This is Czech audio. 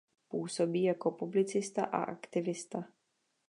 Působí jako publicista a aktivista.